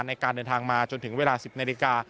ในการเดินทางมาจนถึงเวลา๑๐นาฬิกา